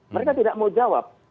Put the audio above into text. mereka tidak mau jawab